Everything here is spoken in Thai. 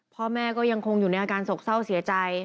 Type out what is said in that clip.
พ่อแม่ก็ยังคงอยู่ในอาการโศกเศร้าเสียใจ